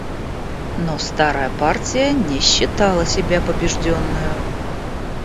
Но старая партия не считала себя побежденною.